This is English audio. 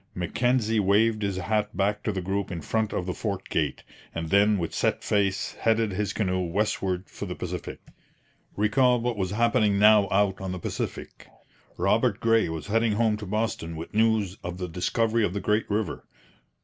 Mackenzie waved his hat back to the group in front of the fort gate; and then with set face headed his canoe westward for the Pacific. Recall what was happening now out on the Pacific! Robert Gray was heading home to Boston with news of the discovery of the great river.